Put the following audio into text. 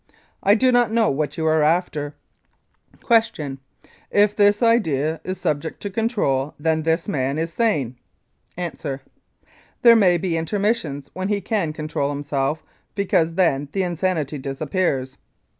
I do not know what you are after. Q. If this idea is subject to control, then this man is sane? A. There may be intermissions when he can control himself, because then the insanity disappears.